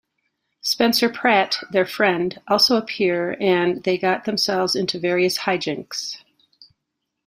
Spencer Pratt, their friend, also appear and they got themselves into various hijinks.